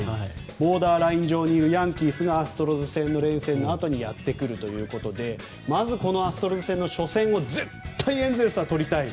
ボーダーライン上にいるヤンキースがアストロズ戦の連戦のあとにやってくるということでまずこのアストロズ戦の初戦を絶対エンゼルスは取りたい。